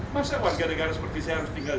masa warga negara seperti saya harus tinggal